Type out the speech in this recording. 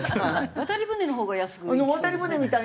渡り船のほうが安くいけそう。